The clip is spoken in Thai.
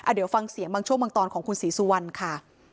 เดี๋ยวฟังเสียงบางช่วงบางตอนของคุณศรีสุวรรณค่ะ